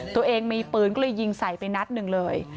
ตัวเองมีปืนก็เลยยิงใส่ไปนัดหนึ่งเลย